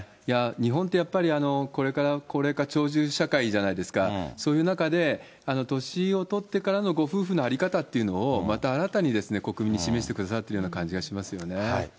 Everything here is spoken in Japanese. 日本ってやっぱり、これから高齢化、長寿社会じゃないですか、そういう中で、年を取ってからのご夫婦の在り方っていうのを、また新たにですね、国民に示してくださっているような感じがしますよね。